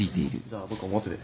じゃあ僕表で。